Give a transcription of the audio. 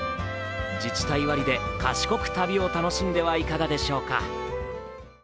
自治体割りで賢く旅を楽しんではいかがでしょうか。